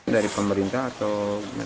dari pemerintah atau